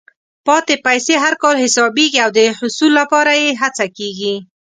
پاتې پیسې هر کال حسابېږي او د حصول لپاره یې هڅه کېږي.